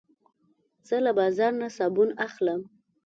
زه له بازار نه صابون اخلم.